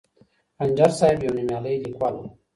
خنجر صاحب یو نومیالی لیکوال و.